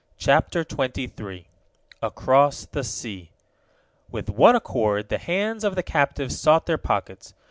CHAPTER XXIII ACROSS THE SEA With one accord the hands of the captives sought their pockets.